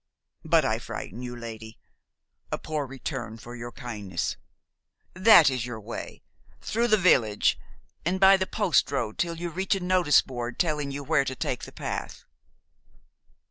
But I frighten you, lady, a poor return for your kindness. That is your way, through the village, and by the postroad till you reach a notice board telling you where to take the path."